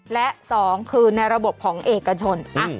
และ๒คือในระบบของเอกชน